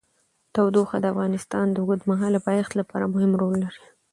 تودوخه د افغانستان د اوږدمهاله پایښت لپاره مهم رول لري.